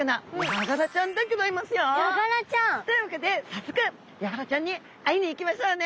ヤガラちゃん。というわけで早速ヤガラちゃんに会いに行きましょうね。